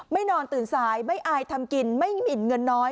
นอนตื่นสายไม่อายทำกินไม่หมินเงินน้อย